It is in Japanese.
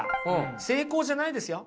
成功じゃないですよ。